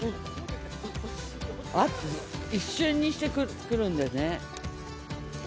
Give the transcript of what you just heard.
一瞬にしてくるんだね。